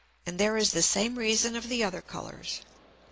And there is the same Reason of the other Colours.